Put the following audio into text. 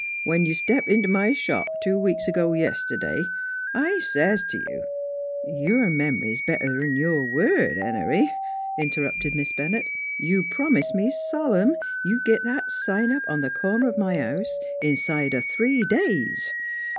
When you stepped int' my shop two weeks ago yist'd'y I says to you "" You mem'ry's better 'n your word, Henery," interrupted Miss Bennett. " You promised me solemn you'd git that sign up on th' corner o' my house inside o' three days.